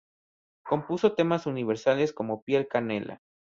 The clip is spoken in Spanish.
Compuso temas universales como Piel canela.